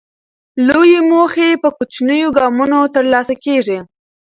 لویې موخې په کوچنیو ګامونو ترلاسه کېږي.